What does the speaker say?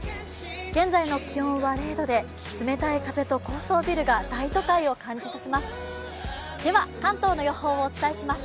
現在の気温は０度で冷たい風と高層ビルが大都会を感じさせます。